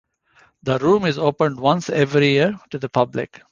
The room is opened once every year to the public.